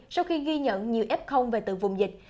sau khi ghi nhận nhiều ép không về tự vùng dịch